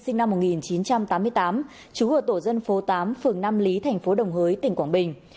sinh năm một nghìn chín trăm tám mươi tám trú ở tổ dân phố tám phường nam lý thành phố đồng hới tỉnh quảng bình